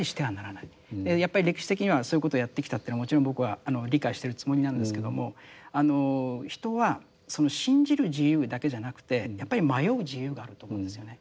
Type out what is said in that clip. やっぱり歴史的にはそういうことをやってきたというのはもちろん僕は理解してるつもりなんですけどもあの人は信じる自由だけじゃなくてやっぱり迷う自由があると思うんですよね。